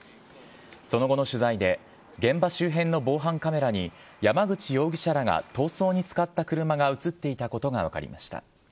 その後の取材で、現場周辺の防犯カメラに山口容疑者らが逃走に使った車が写っていたことが分かりました。